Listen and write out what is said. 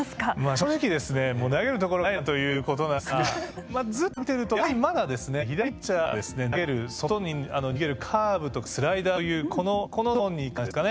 正直投げるところがないなということなんですがずっと見ているとやはりまだ左ピッチャーが投げる外に逃げるカーブとかスライダーというこのゾーンに関してですかね